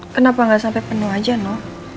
kenapa nggak sampai penuh aja no